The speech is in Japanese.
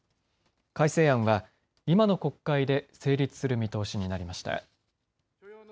改正案は今の国会で成立する見通しになりました。